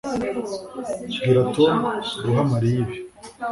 Bwira Tom guha Mariya ibi